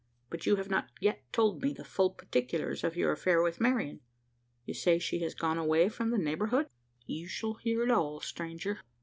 But you have not yet told me the full particulars of your affair with Marian? You say she has gone away from the neighbourhood?" "You shall hear it all, stranger.